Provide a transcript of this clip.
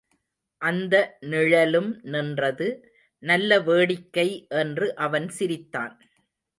அந்த நிழலும் நின்றது, நல்ல வேடிக்கை என்று அவன் சிரித்தான்.